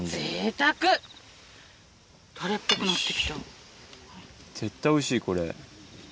たれっぽくなって絶対おいしい、これ。